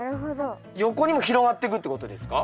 横にも広がってくってことですか？